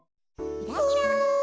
ひらひら。